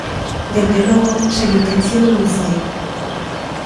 Dende logo, sen intención non foi.